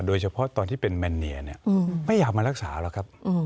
โดยเฉพาะตอนที่เป็นแมนเนียเนี่ยไม่อยากมารักษาหรอกครับ